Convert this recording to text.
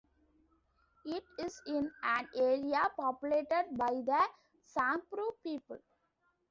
It is in an area populated by the Samburu people.